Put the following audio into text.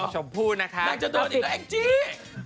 ชมพู่นะคะนางจะโดนอีกแล้วแองจี้